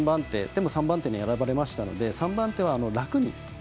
でも３番手に選ばれましたので３番手は、楽に。